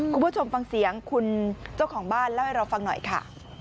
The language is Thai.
คุณผู้ชมฟังเสียงคุณเจ้าของบ้านเล่าให้เราฟังหน่อยค่ะ